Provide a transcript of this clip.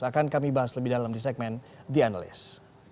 akan kami bahas lebih dalam di segmen the analyst